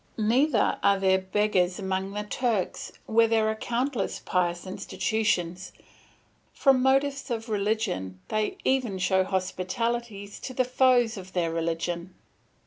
Neither are there beggars among the Turks, where there are countless pious institutions; from motives of religion they even show hospitality to the foes of their religion.